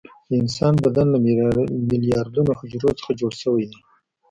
د انسان بدن له میلیاردونو حجرو څخه جوړ شوى ده.